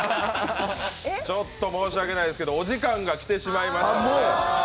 申し訳ないですけどお時間が来てしまいました。